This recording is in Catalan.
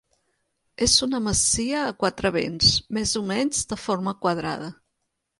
És una masia a quatre vents, més o menys de forma quadrada.